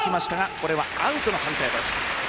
これはアウトの判定です。